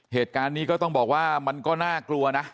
เหตุการณ์นี้ก็ต้องบอกว่ามันก็น่ากลัวนะ